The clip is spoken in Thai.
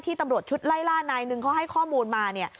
ที่ตำรวจชุดไล่ล่านนายนึงเขาให้ข้อมูลมา